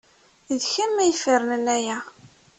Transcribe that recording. D kemm ay ifernen aya.